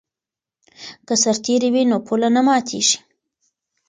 که سرتیری وي نو پوله نه ماتیږي.